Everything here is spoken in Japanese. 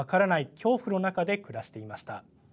恐怖の中で暮らしていました。